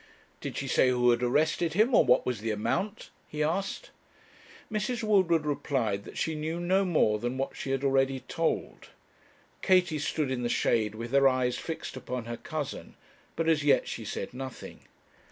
'Did she say who had arrested him, or what was the amount?' he asked. Mrs. Woodward replied that she knew no more than what she had already told. Katie stood in the shade with her eyes fixed upon her cousin, but as yet she said nothing.